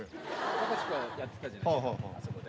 ワカチコやってたじゃないですか、あそこで。